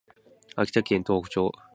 青森県東北町